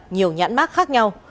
nhiều nhãn mát khác nhau